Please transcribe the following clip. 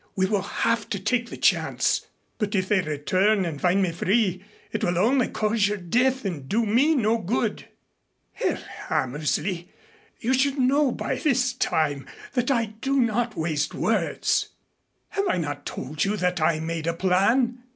We will have to take the chance." "But if they return and find me free it will only cause your death and do me no good." "Herr Hammersley, you should know by this time that I do not waste words. Have I not told you that I have made a plan?